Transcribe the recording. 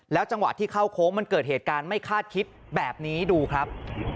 จังหวะที่เข้าโค้งมันเกิดเหตุการณ์ไม่คาดคิดแบบนี้ดูครับ